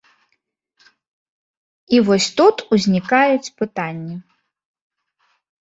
І вось тут узнікаюць пытанні.